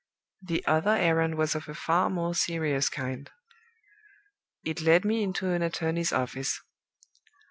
"The other errand was of a far more serious kind. It led me into an attorney's office.